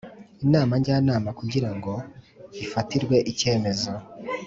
Inama njyanama kugira ngo ifatirwe icyemezo